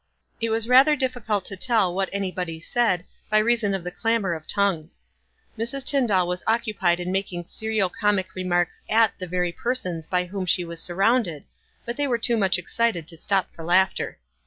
It was rather difficult to tell what any body said, by reason of the clamor of tongues. Mrs. Tyndall was occupied in making serio comic remarks at the very persons by whom she was surrounded, but they were too much excited to stop for laughter.